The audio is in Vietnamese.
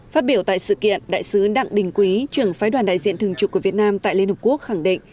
phát biểu tại sự kiện đại sứ đặng đình quý trưởng phái đoàn đại diện thường trục của việt nam tại liên hợp quốc khẳng định